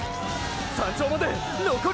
山頂までのこり